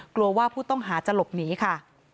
กลัวว่าผู้ต้องหาจะหลบหนีค่ะ